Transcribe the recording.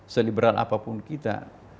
seliberal apapun kita